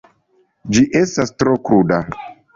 Ĝi estas tro kruda.